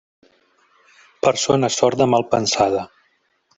Persona sorda, mal pensada.